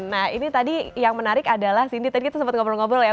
nah ini tadi yang menarik adalah cindy tadi kita sempat ngobrol ngobrol ya